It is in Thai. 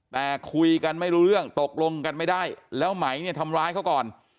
แต่คุยกันไม่รู้เรื่องตกลงกันไม่ได้แล้วไหมเนี่ยทำร้ายเขาก่อน